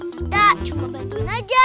kita cuma bantuin aja